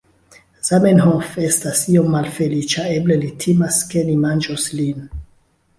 Zamenhof estas iom malfeliĉa eble li timas, ke ni manĝos lin